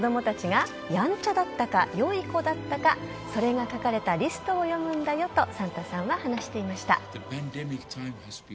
子供たちがやんちゃだったか良い子だったかそれが書かれたリストを読むんだよとサンタさんは話していました。